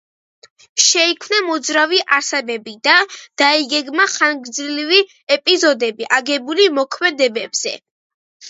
შეიქმნა მოძრავი არსებები და დაიგეგმა ხანგრძლივი ეპიზოდები, აგებული მოქმედებებზე.